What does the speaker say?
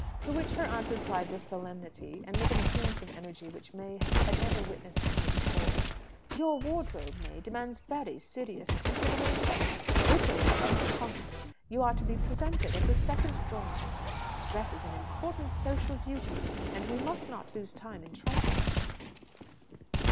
To which her aunt replied with solemnity, and with an appearance of energy which May had never witnessed in her before, "Your wardrobe, May, demands very serious consideration. April is just upon us. You are to be presented at the second Drawing room. Dress is an important social duty, and we must not lose time in trifling."